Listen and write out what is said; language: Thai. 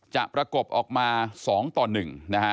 ประกบออกมา๒ต่อ๑นะฮะ